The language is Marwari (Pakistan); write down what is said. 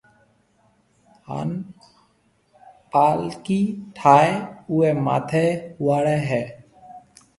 ھان پالڪِي ٺائيَ اوئيَ ماٿيَ ھواڙيَ ھيََََ